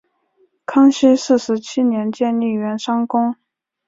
康熙四十七年建立圆山宫。